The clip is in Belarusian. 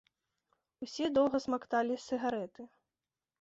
Усе доўга смакталі сігарэты.